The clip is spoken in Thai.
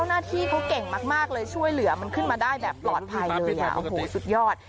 อาทิตย์เขาเก่งมากเลยช่วยเหลือมันขึ้นมาได้แบบปลอดภัยเลยสุดยอด